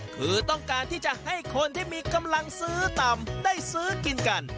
คือต้องการที่จะให้คนที่มีกำลังซื้อต่ำได้ซื้อกินกัน